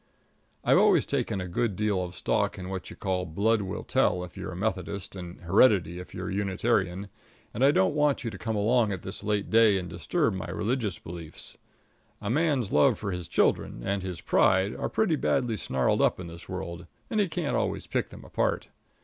I've always taken a good deal of stock in what you call "Blood will tell" if you're a Methodist, or "Heredity" if you're a Unitarian; and I don't want you to come along at this late day and disturb my religious beliefs. A man's love for his children and his pride are pretty badly snarled up in this world, and he can't always pick them apart.